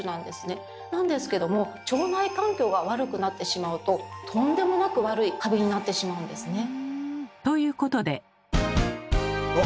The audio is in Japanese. なんですけども腸内環境が悪くなってしまうととんでもなく悪いカビになってしまうんですね。ということで。